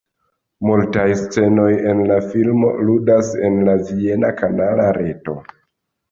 Multaj scenoj en la filmo ludas en la viena kanala reto.